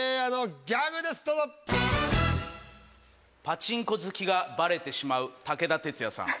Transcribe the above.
パチンコ好きがバレてしまう武田鉄矢さん。